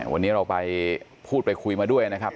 วันนี้เราไปพูดไปคุยมาด้วยนะครับ